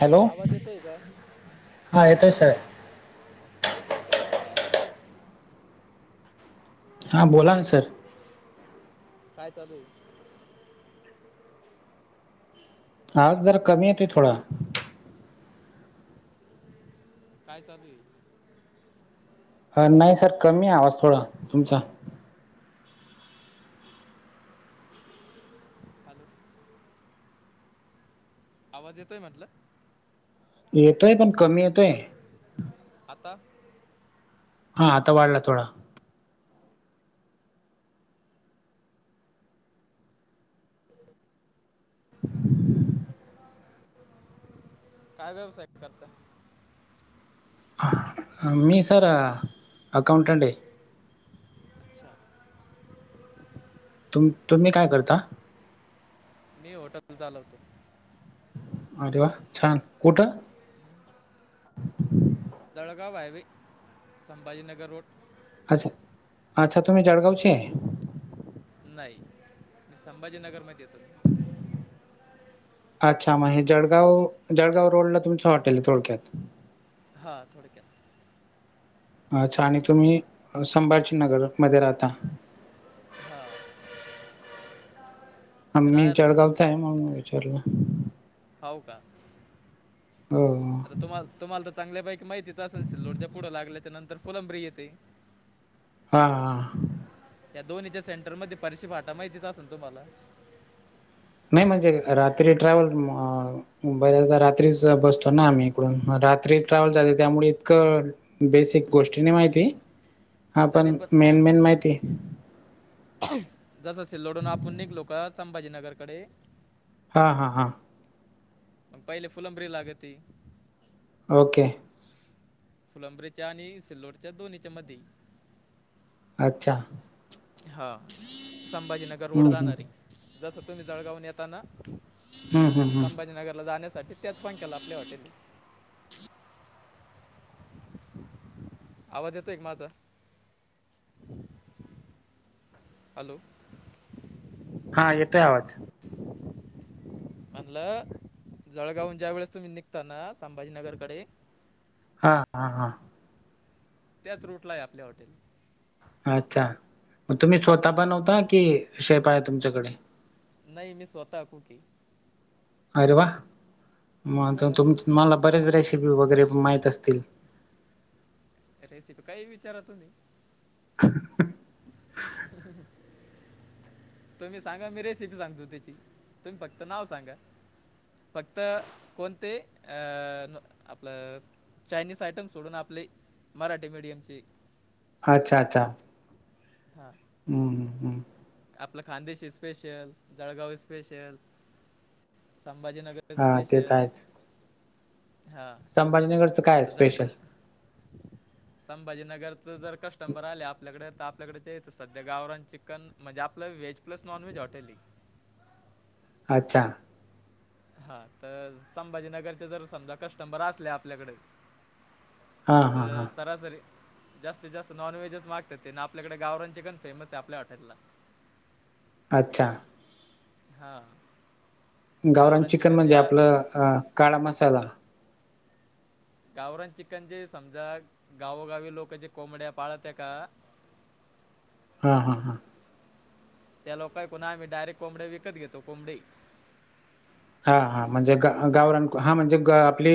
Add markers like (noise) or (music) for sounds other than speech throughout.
Hello आवाज येतोय का? हा येतोय सर (inaudible) येतोय का? (inaudible) हा बोला ना सर. काय चालूये? आवाज जरा कमी येतोय थोडा. काय चालूये? ह, नाही सर कमी आय आवाज थोडा तुमचा. हॅलो (inaudible) आवाज येतोय म्हटलं? (inaudible) येतोय पण कमी येतोय. आता? (inaudible) हा आता वाढला थोडा. काय व्यवसाय करता? (inaudible) मी सर अकाऊंटंट ये. (inaudible) अच्छा तुम- तुम्ही काय करता? मी हॉटप चालवतो. अरे वा! छान कुठं? Jalgaon highway Sambhajinagar road. अच्छा, अच्छा तुम्ही जळगावचे ये. नाही मी संभाजीनगर मध्ये येतो. अच्छा मग हे जडगाव, जळगाव रोडला तुमचं हॉटेल आहे थोडक्यात? हा थोडक्यात. अच्छा आणि तुम्ही संभाजी नगर मध्ये राहता. हां आमी राहायला मी जळगावच आहे म्हणून विचारलं. हाव का? हो आता तुम्हाला तुम्हाला तर चांगल्या पैकी माहितीच अस सल लोडजप पुढं लागल्याच्या नंतर फुलंब्री येते. हा- हा त्या दोन्हीच्या सेंटर मध्ये परशी फाटा माहितीच असेल तुम्हाला? नाही म्हणजे रात्री ट्रॅव्हल बर्याचदा रात्रीच बसतो ना आम्ही इकडून, म रात्री ट्रॅव्हल झाले त्यामुळे इतकं बेसिक गोष्टी नाही माहिती. हा पण मेन- मेन माहितीये. (inaudible) जस सिल्लोडून आपण निघलो का संभाजीनगरकडे हा हा हा मग पहिले फुलंब्री लागती ओके फुलंब्रीेच्या आणि सिल्लोडच्या दोन्हींच्या मध्ये. अच्छा! हा संभाजीनगर रोड हम्म हम्म जाणारये जस तुम्ही जळगावून येताना. हम्म हम्म हम्म संभाजीनगरला जाण्यासाठी त्याच पख्याला आपले आप हॉटेल ये. आवाज येतोय का माझा हॅलो हा येतोय आवाज. (unintelligible) म्हणल जळगावून ज्या वेळेस तुम्ही निघता ना संभाजीनगरकडे हा हा हा. त्याच रूट ला आहे आपले हॉटेल अच्छा मग तुम्ही स्वतः हां बनवता की शेप आहे तुमच्याकडे नाही मी स्वतः कूक ये अरे वा मग हां तुम तूम्हाला बरेच रेसिपी वगैरे माहीत असतील. रेसिपी काही विचारा तुम्ही (unintelligible) ह (unintelligible) तुम्ही सांगा मी रेसिपी सांगतो त्याची तुम्ही फक्त नाव सांगा. फक्त कोणते अ आपल चायनीस आयटम सोडून आपली मराठी मिडियमची अच्छा अच्छा! हा. हम् हम हम्. आपल खानदेशी स्पेशल जळगावी स्पेशल संभाजीनगर हा तेच आहेच. हा संभाजीनगरचं काय आता जा स्पेशल संभाजीनगरच जर कस्टंबर आले आपल्याकडे त आप आपल्याकडेच यायच सध्या गावरान चिकन म्हणजे आपल व्हेज प्लस नॉनव्हेज हॉटेल ये अच्छा! हा तर संभाजीनगरचे जर समजा कस्टमर असले आपल्याकड हां हां तर हां सरासरी जास्तीत जास्त नॉनव्हेजच मागतात ते ना आपल्याकडे गावरानचे चिकण फेमस आहे आपल्या हाटेलला. अच्छा! हा गावरान चिकन म्हणजे आपल अ काळा मसाला गावरान चिकन जे समजा गावोगावी लोक जे कोंबड्या पाळत ते का? (inaudible) हा हा त्या लोकाय कुन आम्ही डायरेक कोंबड्या विकत घेतो कोंबडे हा हा म्हणजे ग गावरान हा म्हणजे ग आपली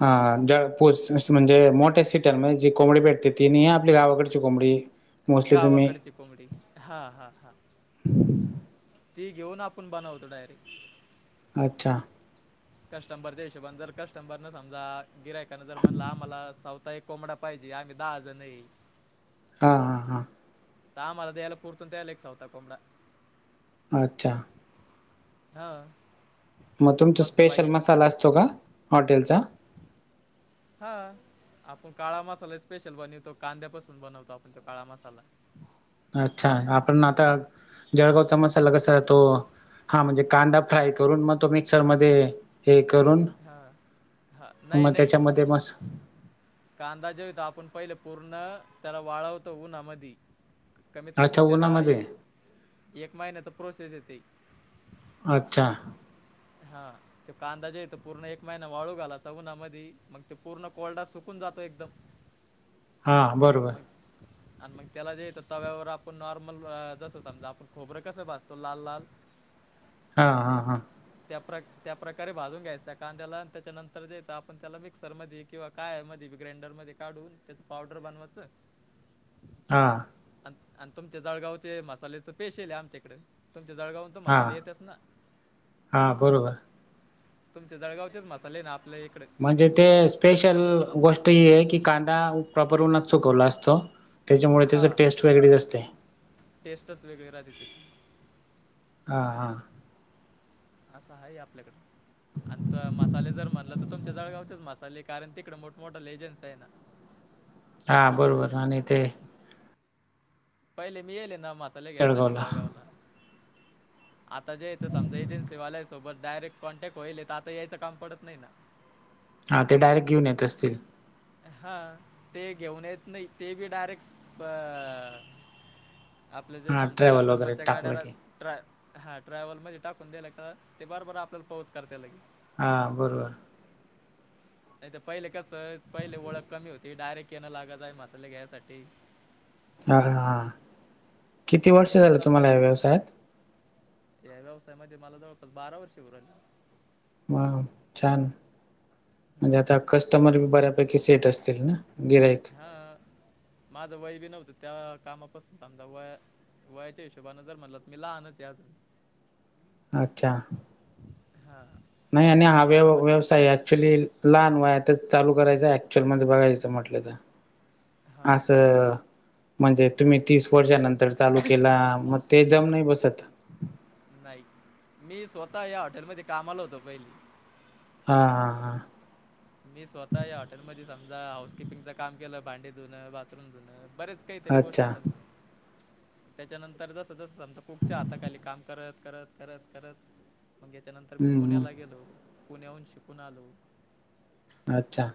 हा जळपूस म्हणजे मोठ्या सिटर मध्ये जी कोंबडी भेटते ती नाही ह आपली गावाकडची कोंबडी. मोस्टली तुम्ही गावाकडची कोंबडी हा हा हा ती घेऊन आपण बनवतो डायरेक्ट. अच्छा. कस्टंबरच्या हिशोबने जर कस्टंबरन समजा गिरायकन जर म्हणला आमला सावता ऐक कोंबडा पाहिजे आम्ही दहाजन ये. हा-हा-हा. त आम्हाला द्याला पुरतून त्याले एकसवता कोंबडा. अच्छा. (unintelligible) हा. मग तुमचा स्पेशल मसाला असतो का हॉटेलचा? हा आपण काळा मसाला स्पेशल बनवितो कांद्यापासून बनवतो आपण तो काळा मसाला. अच्छा आपण आता. जळगावचा मसाला कसा जातो हा म्हणजे कांदा फ्राय करून मग तो मिक्सरमध्ये. हे करून हा हा नाही मग नाही त्याच्यामध्ये मस कांदा जोतो आपण पहिलं पूर्ण त्याला वाळवतो उन्हा मधी. कमीत कमी अच्छा त्याला उन्हामध्ये एक-एक महिन्याचा प्रोसेस ते. अच्छा. हा. तो कांदा जे तो पूर्ण एक महिना वाळू घालाचा उन्हा मधी मग ते पूर्ण कोल्डा सुकून जातो एकदम. हां बरोबर (unintelligible) आणि मग त्याला जे त तव्यावर आपण नॉर्मल जसं समजा आपण खोबरं कसं भासतो लाल-लाल. हा-हा-हा. त्या प्रकारे भाजून घ्यायच त्या कांद्याला त्याच्यानंतर जेत आपण त्याला मिक्सरमध्ये किंवा काय आहे मध्ये ग्राइंडरमध्ये काढून त्याच पावडर बनवायचं हा. अन-अन तुमच्या जळगावचे मसाहाल्याचं स्पेशल ये आमच्याकडे तुमच्या जळगावतून तर हां मसाहाले येत्याच ना. हां बरोबर. तुमचे जळगावचेच मसाहाले ना आपल्या इकड. म्हणजे ते स्पेशल गोष्ट ही आहे की कांदा प्रॉपर उन्हात सुकवला असतो. त्याच्यामुळे त्याचं हां टेस्ट वेगळीच असते. टेस्टच वेगळी राहते तिथे. हा-हा. असं आहे आपल्याकडे. अन त मसाहाले जर म्हणलं तर तुमच्या जळगावचेच मसाहाले कारण तिकडे मोठ-मोठं एजन्सी या आहे ना. हां बरोबर मसाहाल्याच्या आणि ते पहिले मी येले ना मसा मसाहाले घ्यायसाठी जळगावला आता जे ते समजा एजन्सी वाल्यायासोबत डायरेट कॉन्टॅक्ट होईल त आता यायं काम पडत नाही ना. हा ते डायरेक्ट घेऊन येत असतील. हा ते घेऊन येत नाही ते बी डायरेक्ट अ आपलं जे हां समजा ट्रॅव्हल वगैरे कस्टंबरच्या टाकलं गाड्या की ट्रॅ हा ट्रॅव्हलमध्ये टाकून द्यायल का ते बराबर आपल्याला पोच कर लागेच. हा बरोबर. नाही तर पहिले कसं. पहिले ओळख कमी होती डायरेक्ट येणं लाग जाय मसाहले घ्यायसाठी. हां-हां-हां किती आणि वर्ष इकडे झालं संभा तुम्हाला या व्यवसायात? या व्यवसायामध्ये मला जवळपास बारा वर्षी होऊ राहिलं. व्वाव छान! ज्याच्या कस्टमर बी बऱ्यापैकी सेट असतील ना. गिरायक. हा. माझं वय बी नव्हतं त्या कामापासून आमज वया वयाच्या हिशोबानें जर म्हणलं मी लहानच आहे अजून. अच्छा! हा. नाही. आणि हा व्य व्यवसाय ऍक्च्युली लहान वयातच चालू करायचं ऍक्च्युअल मध्ये बघायचं म्हटलं तर. हां असं म्हणजे तुम्ही तीस वर्षानंतर चालू केला म ते जम नाही बसत. नाही. मी स्वतः या हॉटेलमध्ये कामा ला होतो पहिला. हा हा हा. मी स्वतः या हॉटेलमध्ये समजा हाऊस किपिंगच काम केलं. भांडी धुनं, बाथरूम धुनं बरेच हा काईतरी गोष्ट अच्छा सांग त्याच्यानंतर जसं जसं समजा कुकच्या हातखाली काम करत करत करत करत मंग याच्यानंतर मी हम्म हम्म पुण्याला गेलो पुण्याहून शिकून आलो. अच्छा!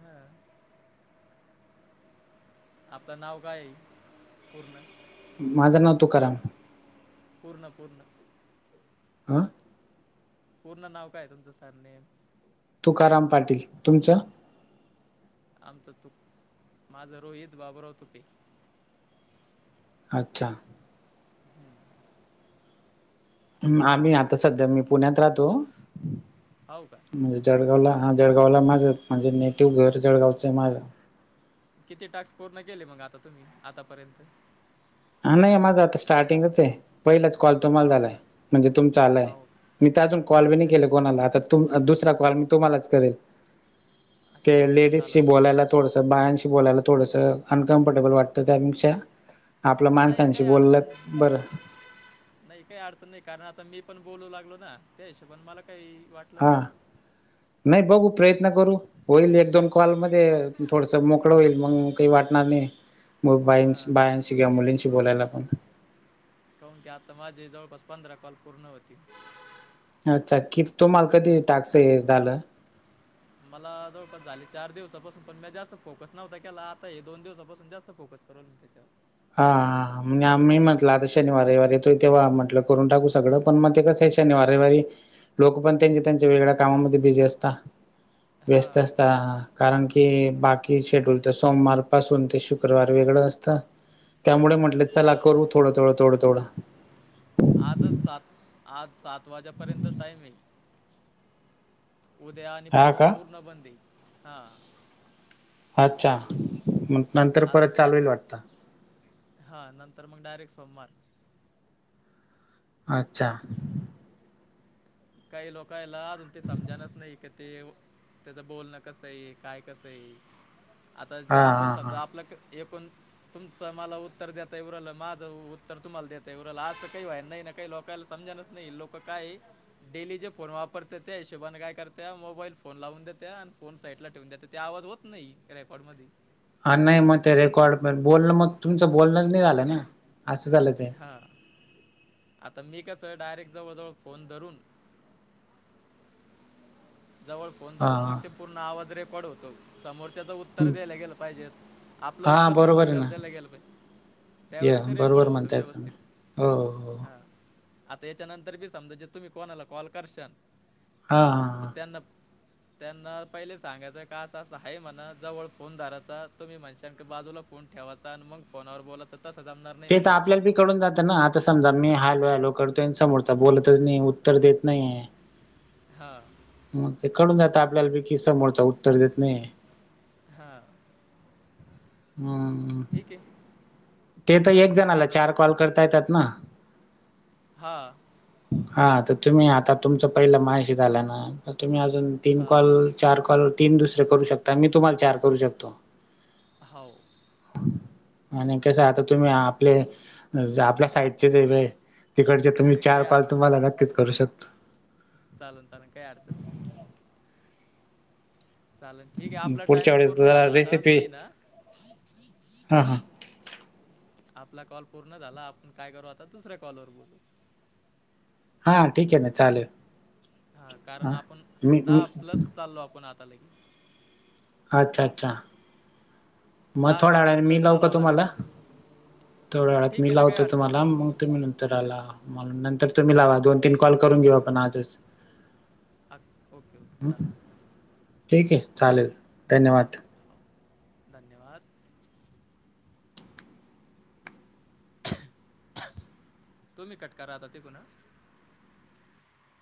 ह. आपलं नाव काये? पूर्ण. माझं नाव तुकाराम‌. पूर्ण पूर्ण. ह. पूर्ण नाव काय तुमचं? सरनेेम. तुकाराम पाटील. तुमचं? आमचं तु. माझं रोहित बाबराव तुपे. अच्छा! (unintelligible) आम्ही आता सध्या मी पुण्यात राहतो. हाव. म्हणजे जळगावला हा जळगावला माझं म्हणजे नेटिव्ह घर जळगावचय माझं. किती टाक्स पूर्ण केले मंग आता तुम्ही? आतापर्यंत. आं नई माझं आता स्टार्टिंगच ए. पयलाच कॉल तुम्हाल हो झालाय का म्हणजे तुमचा आलाय हो का मी त अजून कॉल बी नी अच्छा अच्छा केले कोणाला आता- तुं दुसरा काॅल मी तुम्हालाच करेल. ते अच्छा अच्छा लेडीजशी चालेल ना बोलायला थोडसं बायांशी बोलायला थोडसं अनकम्फर्टेबल वाटतं. त्यापेक्षा आपला नाही माणसांशी बोललं बरं. नाई काई अडचण नाई कारण आता मी पण बोलू लागलो ना त्या हिशोबान मला काही वाट हा. नई बघू प्रयत्न करू. होईल एक दोन कॉल मध्ये थोडस मोकळं होईल मग काही वाटणार नई. मग हां बाईंशी बायांशी कि मुलींशी बोलायला पण. काउण की आता माझे जवळपास पंधरा कॉल पूर्ण होतील. अच्छा! की तुम्हाला कधी टाक्सं हे झालं. मला जवळपास झाले चार दिवसापासून पण म्या जास्त फोकस नव्हता केला आता हे दोन दिवसापासून जास्त फोकस करु त्याच्यात. हा हा हा. म् मी म्हटलं आता शनीवार रईवार येतोय तेेव्हा म्हटलं करून टाकू सगळं पण म ते कसय शनीवार रविवारी लोक पण त्यांचे त्यांच्या वेगळ्या कामामध्ये बिझी असता व्यस्त असता हां आं हा हा कारण की बाकी शेड्यूल तर सोमवार पासून ते शुक्रवार वेगळं असतं. त्यामुळ म्हटलं चला करू थोडं थोडं थोडं थोडं आजच सात आज सात वाजेपर्यंतच टाइम आहे. उद्या आणि हा परवा का पूर्ण बंद हाय हा अच्छा मग नंतर परत चालु होईल वाटतं. हा नंतर मग डायरेक्ट सोमवार अच्छा काही लोकायला अजून ते समजाणच नई कि तेव त्याचं बोलणं कसं आहे काय कसं आहे आता जे हा आपण हा हा समजा आपलं क एकूण तुमचं मला उत्तर देता येउ राइलं माझं उत्तर तुम्हाला देता येऊ राइलं असं काई व्हायन् नाई ना काही लोकां -काल समजाणच नई लोकं काये डेली जे फोन वापरत्या त्या हिशोबानं काय करत्या मोबाईल फोन लावून देत्या आन् फोन साईटला ठेवून देत्यात ते आवाज होत नाही रेकॉर्डमधी हा नाई म ते रेकॉर्ड बोलणं मग तुमचं बोलणंच नई झालं न असं झालं ते हां आता मी कसं डायरेक्ट जवळजवळ फोन धरून जवळ फोन हा धरून मग ते पूर्ण आवाज रेकॉर्ड होतो समोरच्याचा उत्तर उत्तर हं. देलं गेलं पाहिजेत आपलं हा उत्तर बरोबर आहे समोरच्याला ना देलं गेल पाहिजे. या त्यावेेळेस ते रेकॉर्ड बरोबर होत म्हणताय तुम्ही व्यवस्थित हो हो हा आता याच्यानंतर बी समजा जे तुम्ही कोणाला कॉल करशान हा हा तर त्यांना त्यांना पहिले सांगायचं का असं असं आहे म्हणा जवळ फोन धरायचा तुम्ही माझीशंका बाजूला फोन ठेवायचा आणि मग फोनवर बोलातच तस जमणार नाही. ते तर म्हणा आपल्याला बी कडून जात ना आता समजा मी हॅलो हॅलो करतोय समोरचा बोलतच नाही उत्तर देत नाही. हा मग ते कळून जात आपल्याला बी किसमोरचा उत्तर देत नाही हा हम्म ते तर एक चालन मग जणाला आता चार कॉल करता येतात ना हा हा तर तुम्ही आता तुमच पहिला माजाशी झाला ना तर तुम्ही अजून तीन हां कॉल चार कॉल तीन दुसरे करू शकता मी तुम्हाला चार करू शकतो. हाव आणि कसं आता तुम्ही आपले आपल्या साईडचेच वेगळे तिकडचे तुम्ही चार काही पाच अडचण तुम्हाला नक्कीच करू शकतो चालन चालन काय अडचण नाही. चालेल ठीक आहे आपला पुढच्या टायमिंग वेळेस पूर्ण जरा झाला आता रेसिपी मी ना हा हा आपला कॉल पूर्ण झाला आपण काय करू आता दुसऱ्या कॉलवर बोलू हा ठीक आहे ना चालेल. हा कारण आपण मी मी दहा प्लस चाललो आपण आता लगि अच्छा अच्छा मग दहा थोड्या मिनटं वेळाने मी प्लस लावू का चालावं लागत तुम्हाला आहे तेवढ्या वेळात ठीक मी आहे ना काही लावतो अडचण तुम्हाला तुम्ही नंतर लावा मग नंतर तुम्ही लावा हो दोन तीन कॉल करून घेऊ आपण आजच हा ओके ओके चाला ठीक आहे चालेल हां धन्यवाद धन्यवाद तुम्ही कट करा आता तीकूनच